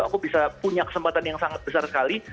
aku bisa punya kesempatan yang sangat besar sekali